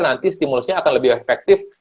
nanti stimulusnya akan lebih efektif